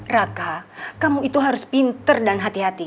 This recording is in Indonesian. raka kamu itu harus pinter dan hati hati